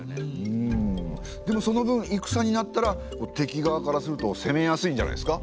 でもその分戦になったら敵側からすると攻めやすいんじゃないですか？